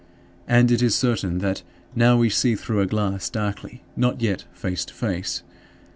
And it is certain that "now we see through a glass darkly," not yet "face to face."